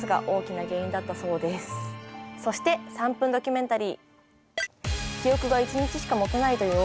そして「３分ドキュメンタリー」。